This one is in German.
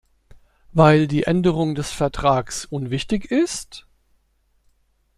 Weil die Änderung des Vertrags unwichtig ist?